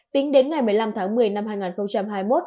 tính đến ngày một mươi năm tháng một mươi năm hai nghìn hai mươi một